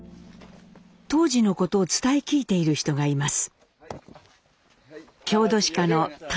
当時のことを伝え聞いている人がいます。